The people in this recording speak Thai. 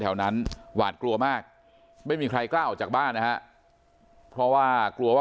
แถวนั้นหวาดกลัวมากไม่มีใครกล้าออกจากบ้านนะฮะเพราะว่ากลัวว่า